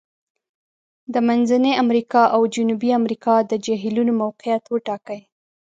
د منځني امریکا او جنوبي امریکا د جهیلونو موقعیت وټاکئ.